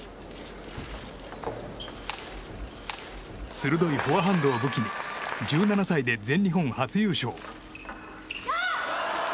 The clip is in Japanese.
鋭いフォアハンドを武器に１７歳で全日本初優勝。